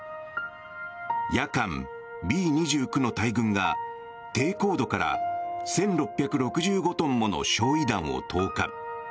夜間、Ｂ２９の大群が低高度から１６６５トンもの焼い弾を投下。